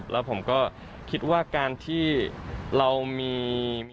แล้วผมก็คิดว่าการที่เรามี